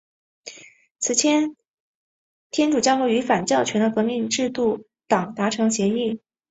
此前天主教会与反教权的革命制度党达成协议。